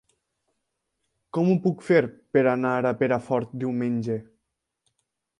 Com ho puc fer per anar a Perafort diumenge?